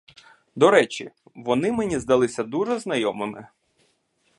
До речі, вони мені здалися дуже знайомими.